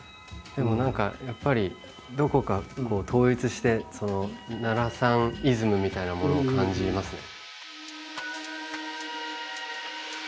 でも何かやっぱりどこか統一して奈良さんイズムみたいなものを感じますね。